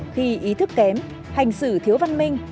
khi ý thức kém hành xử thiếu văn minh